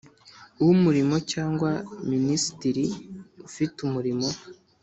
w Umurimo cyangwa Minisitiri ufite umurimo